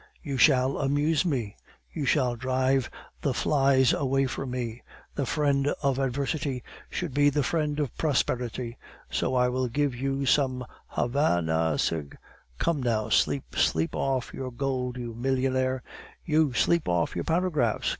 You shall amuse me; you shall drive the flies away from me. The friend of adversity should be the friend of prosperity. So I will give you some Hava na cig " "Come, now, sleep. Sleep off your gold, you millionaire!" "You! sleep off your paragraphs!